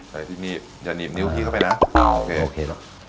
แต่ที่นี่อย่าหนีบนิ้วพี่เข้าไปนะโอเคโอเคหรอก